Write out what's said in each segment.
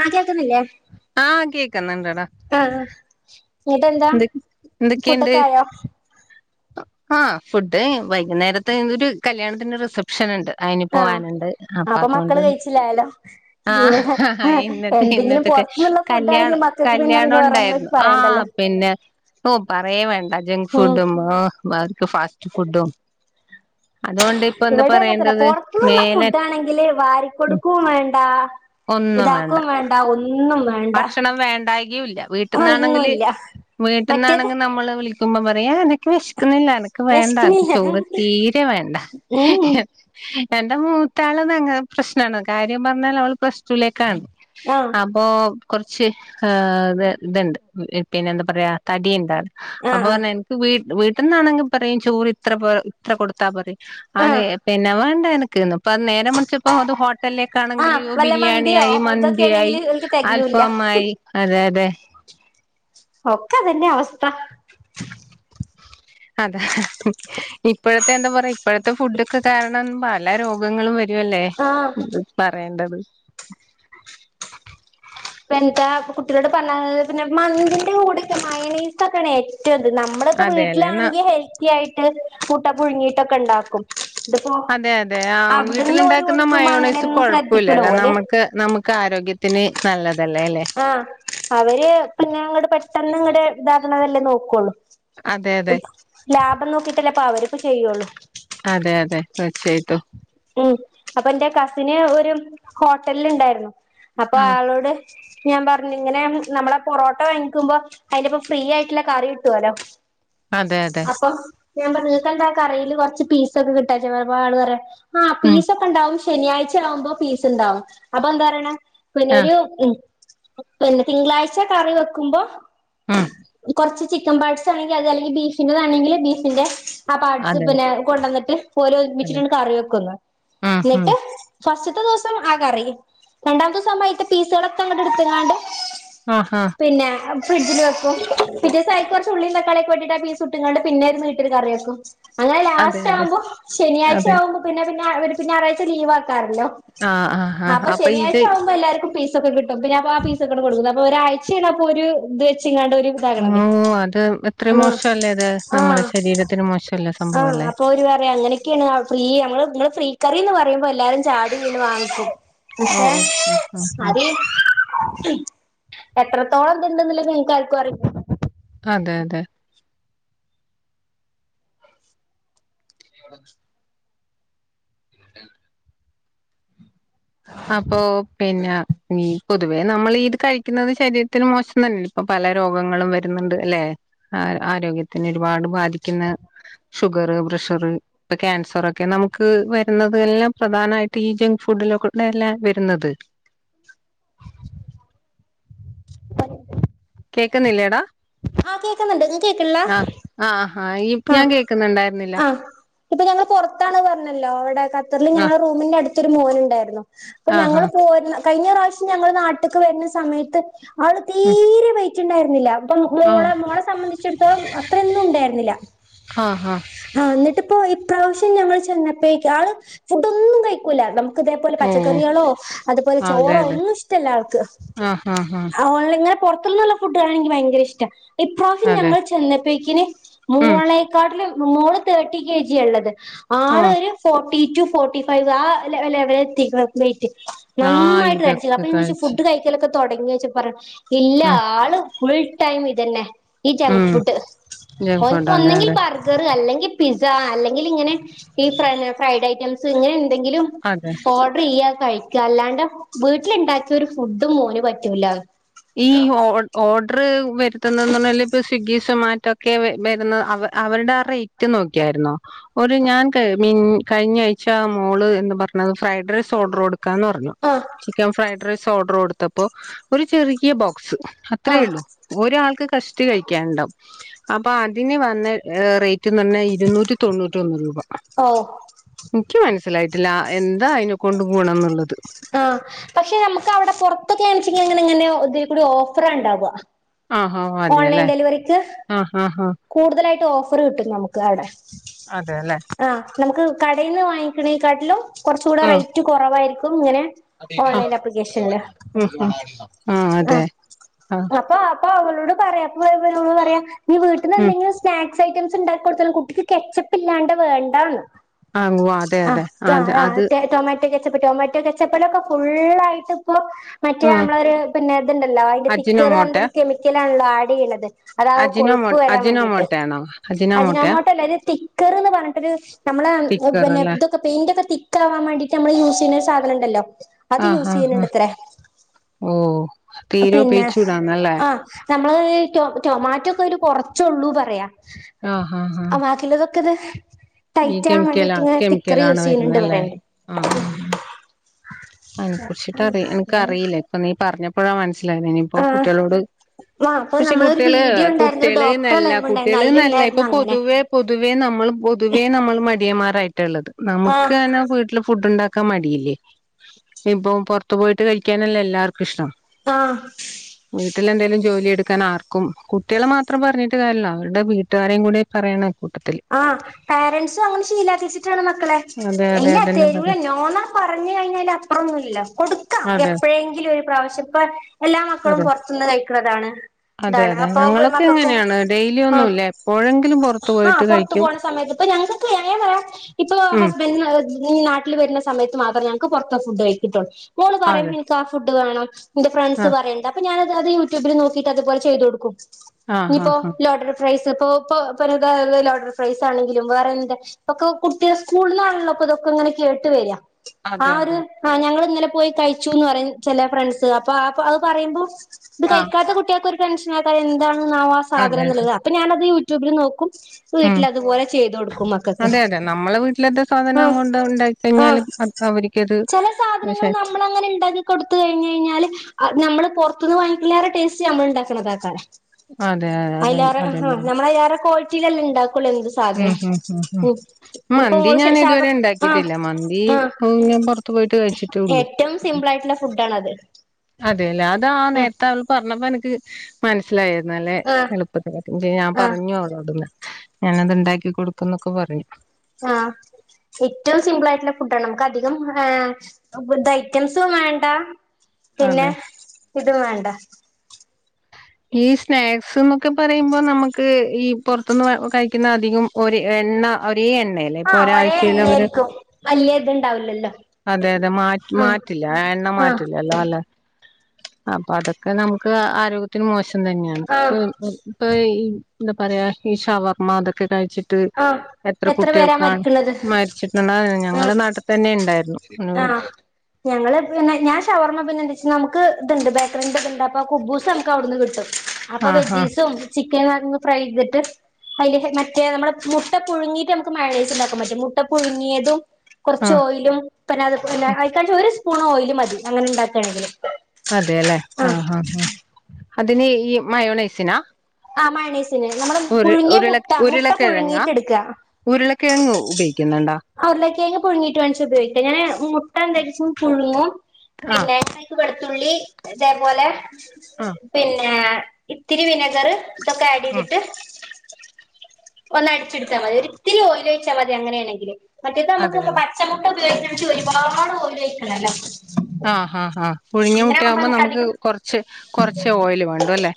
ആഹ് കേക്കുന്നില്ലേ ആഹ് കേക്കുന്നുണ്ടടാ ആഹ് ആഹ് ഇന്നട്ടെന്താ എന്ത് എന്തൊക്കെയുണ്ട് ഫുഡൊക്കായോ? ആഹ് ഫുഡ് വൈകുന്നേരത്ത് ഒരു കല്യാണത്തിന്റെ റിസപ് ഷന്ണ്ട്. അയിന് ആഹ് പോവാന്ണ്ട് അപ്പ അപ്പൊ അതുകൊണ്ട് മക്കള് കഴിച്ചില്ലാലോ ആഹ് ഇവിടെ ഹ ആഹ് ഇന്നത്തെ എന്തെങ്കിലും ഇന്നത്ത്ക്കെ പുറത്തുന്നുള്ള ഫുഡാണെങ്കി കല്യാണം മക്കൾക്ക് പിന്നെ പിന്നെ വേറൊന്നും കല്യാണൊണ്ടായിരുന്നു പറയണ്ടല്ലോ ആഹ് പിന്നെ ഓഹ് പറയേ വേണ്ട ജങ്ക് ഉം ഫുഡ്ഡും മ് ഓഹ് അവർക്ക് ഫാസ്റ്റ് ഫുഡ്ഡും അതോണ്ട് ഇവടി അങ്ങൻതന്നെ പൊറത്തുന്നുള്ള ഫുഡാണെങ്കില് ഉം, വാരിക്കൊടുക്കും വേണ്ട. ഇതാക്കും വേണ്ട ഒന്നും വേണ്ട. ഭക്ഷണം ഒന്നുല്ല മറ്റേത് വീട്ട്ന്നാണെങ്കി നമ്മള് വിളി ക്കുമ്പം പറയാ എനക്ക് വിശിക്കുന്നില്ല എനക്ക് വേണ്ട എനിക്ക് വെശ്ക്ക്ണില്ല ചോറ് തീരെ വേണ്ട. ഉം എന്റെ മൂത്താള് ഭയങ്കര പ്രശ്നാണ് കാര്യം പറഞ്ഞാൽ അവൾ പ്ലസ് ടു ലേക്കാണ്. ആഹ് അപ്പോ കൊർച്ച് ഏഹ് ഇത്ണ്ട് പിന്നെ എന്താ പറയാ തടിയുണ്ടാള് അപ്പോ ആഹ് ആഹ് പർഞ് എൻ ക്ക് വീ വീട്ടിന്നാണെങ്കി പറയും ചോറ് ഇത്ര പേ ഇത്ര കൊടുത്താ പറയും ആന് ആഹ് പിന്നെ വേണ്ട എനക്ക്ന്നും. അപ്പ നേരേ മറിച്ച്പ്പോ അത് ഹോട്ടലിലേക്കാണെങ്കിൽ ആഹ് വല്ല മന്തിയോ ബിരിയാണിയായി ഇതൊക്കെ മന്തിയായി ആണെങ്കില് ഓൽക്ക് തെകയൂല്ല അൽഫാമായി അതെ അതെ. ഒക്ക അതന്നെ അവസ്ഥ. അതെ ഹ് ഹ് ഇപ്പഴത്തെ എന്താ പറയാ ഇപ്പഴത്തെ ഫുഡൊക്കെ കാരണം പല രോഗങ്ങളും വരുവല്ലേ. ആഹ് എന്താ പറയണ്ടത്. പ്പന്താ കുട്ടികളോട് പറഞ്ഞ ഹ് പിന്നെ മന്തിന്റെ കൂടെക്കെ മയണയ്സ്ക്കണെ. റ്റണ്ട് നമ്മള്പ്പോ അതെല്ലേ ന വീട്ടിലാണെങ്കി ഹെൽത്തിയായിട്ട് മുട്ട പുഴുങ്ങിയിട്ടൊക്കണ്ടാക്കും. അതെ അതെ ആഹ് വീട്ടിൽ ഓര് ഉണ്ടാക്കുന്ന കൊടുക്കുമ്പോ മയോണൈസ് അങ്ങനെയൊന്നും ശ്രദ്ധിക്കൂല കൊഴപ്പില്ലല്ലോ ഓല് നമുക്ക്. നമുക്ക് ആരോഗ്യത്തിന് നല്ലതല്ലേ അല്ലെ. ആഹ് അവര് പിന്നെ അങ്ങട് പെട്ടന്ന് ഇങ്ങട് ഇതാക്ക്ണതല്ലേ നോക്കൊള്ളു. അതെ അതെ ലാഭം നോക്കിട്ടല്ലേ അപ്പ അവര് പ്പം ചെയ്യൊള്ളൂ. അതെ അതെ തീർച്ചയായിട്ടും. ഉംഹ്. അപ്പൊ ഇന്റെ കസിന് ഒരു ഹോട്ടലിൽ ഇണ്ടായിരുന്നു. അപ്പൊ ആ ആളോട് ഞാൻ പർഞ്ഞ് ഇങ്ങനെ നമ്മളെ പൊറോട്ട വേങ്ങിക്കുമ്പോ. അയിന്റപ്പം ഫ്രീ ആയിട്ട്ല്ലെ കറി കിട്ട്വോല്ലോ. അതെ അതെ അപ്പൊ ഞാൻ പർഞ്ഞു നിങ്ങക്കെന്താ ആ കറീൽ കൊറ്ച്ച് പീസ് ഒക്കെ കിട്ടാ ചപം ആള് പറയ. ആഹ് ഉം പീസൊക്കെ ണ്ടാവും. ശനിയാഴ്ച ആവുമ്പോ പീസ് ണ്ടാവും. അപ്പൊ എന്താ പറയണ്. ആ പിന്നൊരു ഉംഹ് പിന്നെ തിങ്കളാഴ്ച കറി വെക്കുമ്പോ, ഉം കൊറ്ച്ച് ചിക്കൻ പാട്സ് ആണെങ്കി അത് അല്ലെങ്കി ബീഫിന്റെതാണെങ്കിൽ ബീഫിന്റെ ആ പാട്സ് അതെ പിന്നെ കൊണ്ടന്നിട്ട്. ഓല് അതെ ഒരുമിച്ചിട്ടണ്ട് കറി വെക്കും ന്ന്. ഉം ഉം ഇന്നെട്ട് ഫസ്റ്റ്ത്തെ ദിവസം ആ കറി രണ്ടാമത്തെ ദിവസം ആവുമ്പം അയിത്തെ പീസുകളൊക്കെ ഇങ്ങട്ട്ട്ത്ത്ക്കാണ്ട്. ആഹാ പിന്നെ ഫ്രിഡ്ജിൽ വെക്കും. പിറ്റേസം അയ്ക്ക് കൊറ്ച്ച് ഉള്ളീ തക്കാളിം ഒക്കട്ടിട്ട് ആ പീസുട്ട്ക്കാണ്ട് പിന്നെ ഒരു നീട്ടൽ കറിയാക്കും. അങ്ങനെ അതെ ലാസ്റ്റ് അതെ ആവുമ്പോ ശനിയാഴ്ച അതെ ആവുമ്പോ പിന്നെ പിന്നെ അവര് പിന്നെ ഞായറാഴ്ച ലീവാക്കാരല്ലോ. ആ ആ ആ അപ്പൊ ശനിയാഴ്ച ഇത് ആവുമ്പോ എല്ലാർക്കും പീ. സൊക്കെ കിട്ടും. പിന്ന അപ്പൊ ആ പീസ് ഒക്കെണ്ട് കൊടുക്കുംന്ന്. അപ്പൊ ഒരാഴ്ചേണ് അപ്പോ ഒരു ഇത് വെച്ച്ങ്ങാണ്ട് ഓര് ഓഹ് അത് എത്രയും മോശല്ലേ അത് നമ്മുടെ ആഹ് ശരീരത്തിന് മോശം. ആഹ് അത് ഓര് പറയ അങ്ങനൊക്കെയാണ് ഫ്രീ നമ്മള് നിങ്ങൾ ഫ്രീ കറി എന്ന് പറയുമ്പോ എല്ലാരും ചാടീ വീണ് വാങ്ങിക്കും. ഓ പക്ഷെ ഓ ആഹ് ആഹ് ആഹ് അതീ എത്രത്തോളം ത്ണ്ട്ന്ന്ള്ളത് നിക്കാർക്കും അറിയി അതെ അതെ. [inaudible] അതാണ്. അപ്പൊ പിന്നെ. മ് പൊതുവേ നമ്മളീത് കഴിക്കുന്നത് ശരീരത്തിന് മോശം തന്നെ ഇപ്പൊ പല രോഗങ്ങളും വരുന്നുണ്ട് അല്ലേ ആ ആരോഗ്യത്തിന് ഒരുപാട് ബാധിക്കുന്ന ഷുഗറ് പ്രഷറ്. ഇപ്പൊ ക്യാൻസറൊക്കെ നമുക്ക് വരുന്നത് എല്ലാം പ്രധാനമായിട്ട് ഈ ജങ്ക് ഫുഡിലൊ ന്നല്ലേ വരുന്നത്. കേൾക്കുന്നില്ലേടാ. ആഹ് കേക്കുന്നുണ്ട് നിങ്ങക്ക് കേൾക്ക്ണില്ല. ആഹ് ഹാ ഈ ഞാൻ കേൾക്കുന്നുണ്ടായിരുന്നില്ല. ആഹ് ഇപ്പൊ ഞങ്ങൾ പൊറത്താണ് പറഞ്ഞല്ലോ. അവിടെ ഖത്തർല് ആഹ് ഞങ്ങളുടെ റൂമിന്റെ അടുത്തൊരു മോന്ണ്ടായിരുന്നു. അപ്പൊ ആഹ് ഞങ്ങള് പോരുന്ന കഴിഞ്ഞ പ്രാവശ്യം ഞങ്ങൾ നാട്ടിക്ക് വരുന്ന സമയത്ത്. ആള് ആഹ് ഉം തീരെ വെറ്റ്ണ്ടായിരുന്നില്ല. അപ്പം മോളെ മോള സംബന്ധിച്ചിടത്തോളം അത്രൊന്നും ഉണ്ടായിരുന്നില്ല. ആഹ് ഹാ. ആഹ് ന്നിട്ടിപ്പോ ഇപ്രാവശ്യം ഞങ്ങൾ ചെന്നപ്പേഴേക്ക് ആള് ഫുഡൊന്നും കഴിക്കൂല. ക്ക്‌ ഇതേപോലെ ഓ പച്ചക്കറികളോ അതുപോലെ അതെ ചോറോ അതെ ഒന്നും ഇഷ്ടല്ല അവ്ക്ക്. ആഹ് ഹാ ഹാ. ഓനന്നെ. പുറത്തു നിന്നുള്ള ഫുഡ് എൻക്ക് ഭയങ്കര ഇഷ്ട. ഇപ്രാവശ്യം അതെ ഞങ്ങൾ ചെന്നപ്പക്കിന് മോളെ. ഉം മോളെ കാട്ടിലും മോള് തേർട്ടി കെ ജി യാ ള്ളത്. ആഹ് ഫോർട്ടി റ്റു. Forty five. ആ ലെവലെത്തിക്ണ്. വെയ്റ്റ് ആഹ് നന്നായിട്ട് തടിച്ചിരിക്കണ്. ഇതൊക്കെ അപ്പൊ ഞാൻ ചോയിച്ച് കഴിച്ച് ഫുഡ് കഴിക്കലൊക്കെ തൊടങ്ങിച്ചാ പറ ഇല്ല ഉം ആള് ഫുൾ ടൈം ഇതന്നെ. ഈ ജങ്ക് ഉം ഫുഡ് ഓൻക്ക് ജോബ്കാർഡ് അതെ ഒന്നെങ്കിൽ.. അതെ ബർഗർ അല്ലെങ്കി. പിസ്സ അല്ലെങ്കിൽ ഇങ്ങനെ ഈ ഫ്രൈഡ് ഐറ്റംസ്. ഇങ്ങനെന്തെങ്കിലും അതെ. ഫ്രീയാ കഴിക അല്ലാണ്ട വീട്ടിലുണ്ടാക്കിയ ഒരു ഫുഡും മോനും പറ്റൂലാന്ന്. ഈ ഓർഡ ഓഡ് ർ വരുത്തുന്നെന്ന് പറഞ്ഞല് ഇപ്പ സ്വിഗ്ഗി സോമറ്റോ ക്കെ വരുന്നെ അവ അവരുടെ ആ റൈറ്റ് നോക്കിയാരുന്നോ. ഒരു ഞാൻ കഴി മിൻ കഴിഞ്ഞ ആഴ്ച മോള് എന്ന് പറഞ്ഞത് ഫ്രൈഡ് റൈസ് ഓർഡർ കൊടു ക്കാന്ന് പറഞ്ഞു. ആഹ് ചിക്കൻ ഫ്രൈഡ് റൈസ് ഓർഡർ കൊടുത്തപ്പോ. ഒരു ചെറിയ ബോക്സ്. ആഹ് അത്രേയൊള്ളൂ. ഒരാൾക്ക് കഷ്ട്ടി കെയിക്കൻണ്ടവും അപ്പൊ അതിന് വന്നെ റേ റ്റ്ന്നാർഞ്ഞാ ഇരുന്നൂറ്റി തൊണ്ണൂറ്റൊന്ന് രൂപ. ഓ എനിക്ക്‌ മൻസ്സിലായിട്ടില്ല. എന്താ അയിനെ കൊണ്ടു ഗുണംന്ന്ള്ളത്. ആഹ് പക്ഷെ അമ്മക്ക് അവടെ പൊറത്ത് ക്കെ ൺച്ചെങ്കി അങ്ങനങ്ങനെ ഇതി കൂടെ ഓഫറണ്ടാവ. ആഹ് ഹ അതെയെല്ലേ ആഹ് ഹാ ഹാ കൂടുതലായിട്ട് ഓഫർ കിട്ടും നമുക്ക് അവടെ. അതെല്ലേ ആഹ് നമുക്ക് കടയിന്ന് വാങ്ങിക്കണേക്കാട്ടിലും കുറച്ചുടെ ആഹ് റേറ്റ് കുറവായിരിക്കും ഇങ്ങനെ ഓൺലൈൻ ആപ്ലിക്കേഷനില് ആഹ്. ഉം ആഹ് ആഹ് അപ്പൊ അപ്പൊ അവരോട് പറയാ. അപ്പൊ അവരോട് പറയാ നീ വീട്ടിൽന്ന് ഉം എന്തെങ്കിലും.. സ്നാക്സ് ഐറ്റംസ് ണ്ടാക് കൊടുത്താലും. കുട്ടിക്ക് കെച്ചപ്പില്ലാണ്ട് വേണ്ടാണ്.. ആഹ് ഉവ്വ് അതെ ആഹ്. അതെ അത് ഇതാരാ അത് ആൾട്ടെ. ട്ടൊമെറ്റ്.. റ്റൊ കെച്ചപ്പ്. ടൊമാറ്റോ. കെച്ചപ്പലൊക്കെ. ഫുള്ളായിട്ട്പ്പൊ. മറ്റേ ആഹ് അമ്മളൊരു.. ത്ണ്ടല്ലോ അയിന്റെ. തിക്കറ് അജിനോമോട്ട അർണിട്ടൊരു. കെമിക്കല ആൺല്ലോ. ആഡ്യ്യണത്.. അതാവോ അജിനോമോ കൊഴുപ്പ് വരാവേണ്ടിട്ട്. അജിനോമോട്ടയാണോ അജിനോമോട്ടയാ അജിനമൊട്ടല്ല. അയിനൊരു തിക്കർന്ന്. പറഞ്ഞിട്ടൊരു നമ്മളെ. ഉം ടിക്കർ പിന്നെ അല്ലേ തൊക്കെ പെയിന്റ് ഒക്കെ തിക്കാവാൻ മണ്ടിട്ട്. നമ്മള് യൂസ്യിണ. സാധനണ്ടല്ലോ.. ആഹ്. ആഹ് ആഹ്. ഓഹ് തീരോ പിന്നെ പേച്ചൂടാന്നല്ലേ.. ആഹ് നമ്മള് ട്ടോ ടൊമാറ്റോകൊരു. കൊറച്ചള്ളൂ പറയാ.. ആഹ് വാക്കിള്ളതൊകെത്.. ഈ കെമിക്കല. കെമിക്കലണ് വരുന്നെ അല്ലേ. പറയണ്ട് ആഹ് ആഹ്.. അയിനെ കുറിച്ചിട്ട് അറി എനക്ക് അറിയില. ഇപ്പ നീ പറഞ്ഞപ്പഴാ മനസ്സിലായത്. ഇനിയിപ്പോ ആഹ് കുട്ട്യോളോട് ആ അപ്പൊ പഷേ നമ്മളൊരു കുട്ട്യോള് വീഡിയോ ഉണ്ടായിരുന്നു ഒരു കുട്ട്യോള്. ഡോക്ടറെ നല്ല ലൈവ് ഉണ്ടായിരുന്നു കുട്ട്യോള് നല്ല ഇപ്പൊ അതിലുണ്ടായിരുന്നു അങ്ങനെ പൊതുവെ.. പൊതുവേ നമ്മൾ പൊതുവേ നമ്മൾ. മടിയന്മാരായിട്ടള്ളത്. ആഹ് നമുക്കന്നെ വീട്ടിൽ ഫുഡ്ണ്ടാക്കാ മടിയില്ലേ.. ഇപ്പം പൊറത്തു പോയിട്ട് കഴിക്കാനല്ലേ. എല്ലാർക്കും ഇഷ്ടം.. ആഹ് വീട്ടിലന്തെങ്കലും ജോലി എടുക്കാൻ. ആർക്കും കുട്ട്യോളെ മാത്രം പറഞ്ഞിട്ട്. കാര്ല്ല. അവരുടെ വീട്ടുകാരെ കൂടി.. പറയണക്കൂട്ട്.. ആഹ് പേരൻറ്സും അങ്ങനെ ശീലാക്കിച്ചിട്ടാണ്. മക്കളെ അതെ അതെ ഇല്ല അതന്നെ തെരൂല. പറയാ നോ ന്ന്.. പറഞ്ഞ്ഴിഞ്ഞാൽ അയിൽ അപ്പറൊന്നുംല്ല കൊടു ക്ക. അതെ എപ്പോഴെങ്കിലും ഒരു പ്രാവശ്യം. ഇപ്പൊ എല്ലാ മക്കളും അതെ പൊറത്തുന്ന് കഴി ക് ണതാണ്.. അതെ അതെ ഞങ്ങളൊക്കെ. എങ്ങനെയാണ് ഡെയിലി ആഹ് ഒന്നുല്ല. എപ്പോഴെങ്കിലും പൊറത്ത് ആഹ് പൊറത്ത് പോണ സമയത്ത്. ഇപ്പൊ ഞങ്ങക്ക്കെങ്ങനെ പറയാം ഇപ്പൊ ഉം ഹസ്ബൻഡ ഈ നാട്ടിൽ വര്ന്ന സമയത്ത്. മാത്രമേ ഞങ്ങൾക്ക് പൊറത്ത ഫുഡ് വെക്കിട്ടൊള്ളൂ. മോള് അതെ പറയുമെനിക്ക്. ആ ഫുഡ് വേണം... എന്റെ ഫ്രണ്ട്സ് ആഹ് പറയണ്ട്. അപ്പൊ ഞാനത് യൂട്യൂബിൽ നോക്കിട്ട്. അതുപലെ ചെയ്തു കൊടുക്കും. ആഹ് ഞ്ഞിപ്പോ ആഹ് ആഹ് ലോടട് പ്രൈസ് ഇപ്പോ ഇ പത ലോർഡർ. പ്രൈസ് ആണെങ്കിലും വേറെന്ത ഇപ്പൊകുട്ട്യോ സ്കൂന്നാണല്ലോപ്പൊ. ഇതൊക്കെങ്ങനെ. കേട്ട് വെര അതെ ആരു. അതെ ആഹ് ഞങ്ങൾ ഇന്നലെ പോയി. കഴിച്ചുന്ന്. പറയു. ചെല ഫ്രണ്ട്സൊള്. പ്പ അപ്പൊ അത് പറയുമ്പോ. ഇത് ആഹ് കഴിക്കാത്ത കുട്ട്യോൾക്കൊരു. ടെൻഷൻ ആകാരം എന്താണ് ന്നാവം ആ അതെ അതെ സാധനള്ളത് അപ്പ ഞാനത്.. യൂട്യൂബിൽ നോക്കും ഉം വീട്ടിലതുപോലെ ചെയ്തൊടുക്കും. മക്കക്ക്. അതെ അതെ നമ്മളെ വീട്ടിലത്തെ സാധനം ആഹ് കൊണ്ട് ഉണ്ടാക്കി ആഹ് കഴിഞ്ഞാലും അത് അവർക്കത് ചെല സാധനങ്ങള് പക്ഷെ നമ്മ നമ്മളങ്ങനെ ഇണ്ടാക്കി കൊടുത്ത് കഴിഞ്ഞ് കഴിഞ്ഞാല് നമ്മള് പൊറത്ത്ന്ന് വാങ്ങിക്കിണിലേറെ ടേസ്റ്റ് ഞമ്മള്ണ്ടാക്ക്‌ണതാക്കാരം അതെ അതെ അയ്ലേറെ അതെ ആഹ് അതന്നെയാണ് നമ്മള് അയിലേറെ ക്വാളിറ്റിയിലല്ലേ ണ്ടാക്കൊള്ളൂ എന്ത് ഉം സാധനം ഉം ഉം ഉം ഇപ്പൊ മന്തി മോള് ശ ഞാൻ ഇതുവരെ ശാവർ ആ ഇണ്ടാക്കീട്ടില്ല. മന്തീ ആ [unintelligible] ഏറ്റവും സിംപിൾ ആയിട്ട്ള്ള ഫുഡാണത് അതെലേ അതാ ആ ഉം നേരത്ത് അവള് പറഞ്ഞപ്പോ എനക്ക് മനസ്സിലായി ഇന്നലെ ആ എളുപ്പത്തി [unintelligible] ഞാ ആ പറഞ്ഞു അവളോട്‌ ഇന്ന് ഞാനത് ഇണ്ടാക്കി കൊടുക്കും ന്നൊക്കെ പറഞ്ഞു ആഹ് ഏറ്റവും സിമ്പിൾ ആയിട്ടുള്ള ഫുഡാണ് നമുക്ക് അധികം ഹാ ഫുഡ് ഐറ്റംസും വേണ്ട, പിന്നെ അതെ ഇതും വേണ്ട ഈ സ്നാക്സ് ന്നൊക്കെ പറയുമ്പൊ നമുക്ക് ഈ പൊറത്ത്ന്ന് കഴിക്കുന്ന അധികം ഒരെ എണ്ണ ഒരേ എണ്ണല്ലേ ആഹ് ഒരേ എണ്ണേയിരിക്കും. വല്യേ ഇത്ണ്ടാവ്ലല്ലോ അതെ അതെ മാറ്റ് മാറ്റില്ല. ആ എണ്ണ മാറ്റില്ലല്ലോ അല്ലേ അപ്പൊ അതൊക്കെ നമുക്ക് ആരോഗ്യത്തിന് മോശം തന്നെയാണ് ആ [unintelligible] ഇപ്പൊ ഇ ന്താ പറയാ ഈ ഷവർമ്മാ തൊക്കെ കഴിച്ചി ട്ട് ആ എത്ര പേരാ കുട്ടിയേൾക്കാണ് മരിക്കണത് മരിച്ചിക്കണേ ആ ഞങ്ങളെ നാട്ട് ത്തന്നെണ്ടായിരുന്നു ആഹ് ഞങ്ങള് പിന്നെ ഞാ ഷവർമ്മ പിന്നെ എന്തെച്ച നമുക്ക് ഇത്ണ്ട് ബേക്കറിന്റെ ഇത്ണ്ട് അപ്പൊ കുബ്ബൂസ് അ ഒക്കവ്ട്ന്ന് കിട്ടും. അപ്പൊ ആഹ് ആഹ് വെജീസും [unintelligible] ആട്‌ന്ന് ഫ്രൈയ്ത്ട്ട് അയ്ല് മറ്റേ നമ്മടെ മുട്ട പുഴുങ്ങീട്ട് നമ്മ്ക്ക് മയോണൈസ് ഉണ്ടാക്കൻ പറ്റും. മുട്ട പുഴുങ്ങിയതും കൊറച്ച് ആഹ് ഓയിലും പിന്നെത് പോലെ അയ്ക്കാച്ച ഒരു സ്പൂൺ ഓയില് മതി അങ്ങനെണ്ടാക്കാണെങ്കില് അതേലേ ആഹ് ആഹ് ആഹ് അതിന് ഈ മയോണൈസിനാ ആഹ് മയോണൈസ് പിന്നേ നമ്മള് ഉരു പുഴുങ്ങിയ ഉരുള മുട്ട മുട്ട ഉരുളക്കിഴങ്ങാ പുഴുങ്ങീട്ടെട്ക്ക ഉരുളക്കിഴങ്ങ് ഉപയോഗിക്കുന്നുണ്ടോ ആഹ് ഉരുളക്കേങ്ങ് പുഴുങ്ങീട്ട് വേണ്ച്ച ഉപയോഗിക്ക. ഞാനയ്ന് മുട്ട എന്താക്കിച്ചും പുഴുങ്ങും. ആഹ് പിന്നേ വെളുത്തുള്ളി ഇതേപോലെ ആഹ് പിന്നേ ഇത്തിരി വിനഗറ് ഇതൊക്കെ ഉം ആഡെയ്ത്ട്ട് ഒന്ന് അടിച്ചെടുത്താ മതി. ഒരിത്തിരി ഓയില് ഒഴിച്ചാ മതി അങ്ങനെയാണെങ്കില്. മറ്റേത് അമ്മക്ക്പ അതെല്ലെ ച്ച മുട്ട ഉപയോഗിക്കാണ്ച്ച ഒരുപാട് ഓയിലൊയ്ക്കണല്ലോ ഹാ ഹാ ഹാ പുഴുങ്ങിയ മുട്ടയാവുമ്പൊ നമുക്ക് കൊറച്ച് കൊറച്ചെ ഓയില് വേണ്ടു അല്ലേ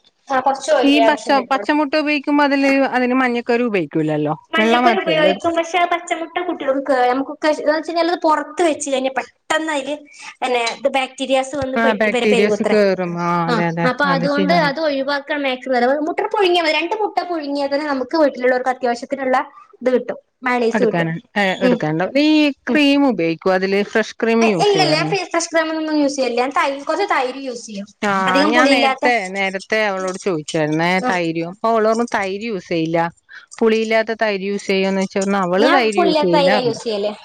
കൊറച്ച് ഈ ഓയിലെ പച്ച ആവശ്യം വരു പച്ചമുട്ട ഉപയോഗിക്കുമ്പൊ അതില് അതിന് മഞ്ഞക്കരു ഉപയോഗിക്കൂലല്ലോ വെള്ള മഞ്ഞക്കുരു മാത്രല്ലേ ഉപയോഗിക്കും. പക്ഷെ അഹ് പച്ചമു ട്ട കുട്ടിയേൾക്ക്‌ കേടാ. ഞമ്മക്കൊക്കെ ഇഷ്, ഏഹ് എന്താന്നെച്ച് കയിഞ്ഞാല് അത് പൊറത്ത് വെച്ച് കയിഞ്ഞാ പെട്ടെന്ന് അയില് പിന്നേ ബാക് ക്ടീരിയാസ് വന്ന് ആ പെറ്റ് പെര ബാക്ടീരിയസ് പെരുകുത്രേ. കേറും ആ അതെ ആഹ് അതെ അപ്പൊ അത് അതുകൊണ്ട് ശരിയാണ് അത് ഒഴിവാ ക്കാ മാക്സിമം. [unintelligible] മുട്ടണ് പുഴുങ്ങിയ മതി. രണ്ട് മുട്ട പുഴ്‌ങ്ങിയാ തന്നെ നമ്മക്ക് വീട്ടിലുള്ളോർക്ക് അത്യാവശ്യം ത്തിനുള്ള ഇത് കിട്ടും എടുക്കാന് ഏഹ് ഉം എട്ക്കാനുണ്ട ഈ ക്രീം ഉപയോഗിക്കോ അതില് ഫ്രഷ് ക്രീം ഇല്ല യൂസ് ഇല്ല ഞാ ഫ്രീ ചെയ്യാറുണ്ട് ഫ്രഷ് ക്രീമൊന്നും യൂസിയ്യലില്ല. ഞാൻ തൈ കൊറച്ച് തൈര് യൂസിയ്യും ആഹ് ഞാൻ നേരത്തെ നേരത്തെ അവളോട് ചോയ്ച്ചായിരുന്നേ ഏഹ് ആഹ് തൈര്യോ പ്പൊ ഓളോർഞ്ഞു തൈര് യൂസെയ്യില്ല. പുളിയില്ലാത്ത തൈര് യൂസിയ്യുംന്ന് ക്ഷേ അവള് ഞാൻ തൈര് യൂസ് പുളിയില്ലാത്ത തൈരാ ചെയ്യില്ലാർഞ്ഞു. യൂസ് ചെയ്യല്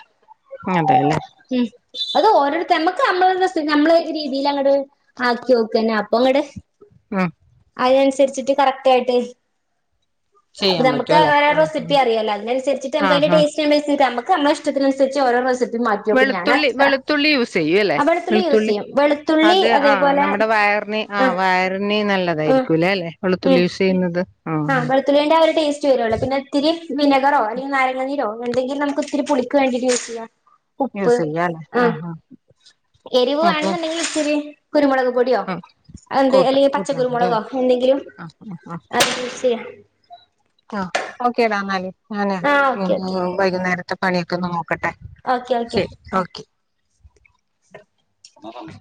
അതെ ല്ലേ ഉം അത് ഓരോരുത്ത നമ്മക്ക് നമ്മൾ [unintelligible] നമ്മളെ രീതീല് അങ്ങട് ആക്കിയോക്കന്നെ. അപ്പങ്ങട് ഉം അതിനൻസരിച്ചിട്ട് കറക്റ്റ് ആയിട്ട് അപ്പ ചെയ്യാൻ നമുക്ക് പറ്റും അല്ലേ അവരോറെ ആ റെസിപ്പി അറിയാല്ലോ അതിനനുരിച്ചിട്ട് ആ യംക്ക് അയ്ന്റെ ആ ടേസ് [unintelligible] അമ്മക്ക്‌ അമ്മളെ ഇഷ്ടത്തിനനുസരിച്ച് ഓരോ റെസി വെളുത്തുള്ളി വെളുത്തുള്ളി യൂസ് ചെയ്യുല്ലേ. ആ യൂസ് വെളുത്തുള്ളി ചെയ്യും വെളുത്തുള്ളി അത് ആഹ് അതേപോലെ നമ്മുടെ വയറിന് ആഹ് വയറിന് ആഹ് നല്ലതായിരിക്കൂല്ലേ അല്ലെ വെളുത്തുള്ളി ഉം യൂസ് ചെയ്യുന്നത് ആ ആഹ് വെ തുള്ളീന്റാ ആ ഒരു ട്ടേസ്റ്റ് വരോലോ പിന്നെ ഇത്തിരി വിനഗറോ അല്ലങ്കി നാരങ്ങ നീരോ ഇണ്ടെങ്കിൽ നമുക്ക് ഇത്തിരി പുളിക്ക് വേണ്ടിയിട്ട് യൂസെയ്യാം ഉപ്പ് യൂസ് ചെയ്യാല്ലേ ആ ആഹ് ആ എരിവ് അപ്പൊ വേണെന്ന്ണ്ടെങ്കി ഇച്ചിരി കുരുമുളക് പൊടിയോ ആ അഎന്ത് കൂട്ടാം അല്ലെങ്കി കൂട്ടിയാ മതി പച്ചക്കുരുമുളകോ അല്ലേ എന്തെങ്കിലും ആ [unintelligible] ചെയ്യ ആഹ് ഓക്കേടാ എന്നാല് ഞാനേ ആ ഓക്കെ ഇനി ഓക്കെ വൈകുന്നേരത്തെ പണിയൊക്കെ ഒന്ന് നോക്കട്ടെ ഓക്കെ ഓക്കെ ശരി ഓക്കെ